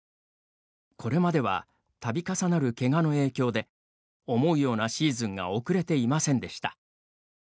これまでは、たび重なるけがの影響で思うようなシーズンが送れていませんでした。